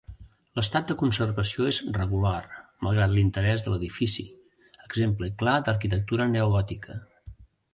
L'estat de conservació és regular malgrat l'interès de l'edifici, exemple clar d'arquitectura neogòtica.